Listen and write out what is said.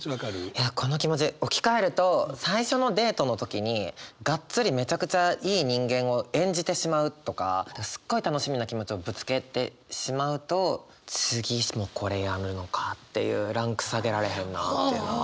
いやこの気持ち置き換えると最初のデートの時にガッツリめちゃくちゃいい人間を演じてしまうとかすっごい楽しみな気持ちをぶつけてしまうと次もこれやるのかっていうランク下げられへんなっていうのは。